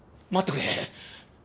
待ってくれ。